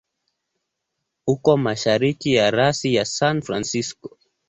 Uko mashariki ya rasi ya San Francisco.